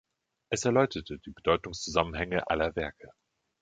Es erläutert die Bedeutungszusammenhänge aller Werke.